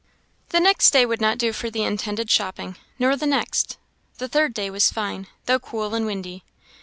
The next day would not do for the intended shopping, nor the next. The third day was fine, though cool and windy.